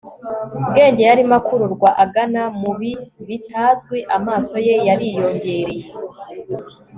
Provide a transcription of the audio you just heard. bwenge yarimo akururwa agana mubi bitazwi. amaso ye yariyongereye